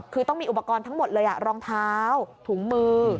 คือต้องมีอุปกรณ์ทั้งหมดเลยรองเท้าถุงมือ